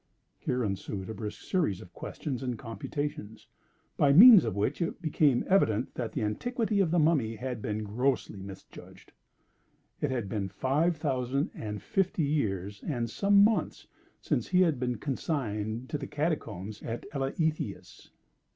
Here ensued a brisk series of questions and computations, by means of which it became evident that the antiquity of the Mummy had been grossly misjudged. It had been five thousand and fifty years and some months since he had been consigned to the catacombs at Eleithias.